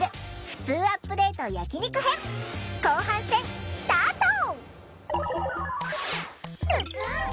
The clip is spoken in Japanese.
ふつうアップデート焼き肉編後半戦スタート！